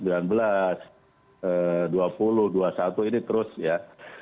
ini terus ya